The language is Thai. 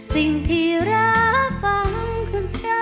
สิ่งที่รักฟังคุณเชียวหน้า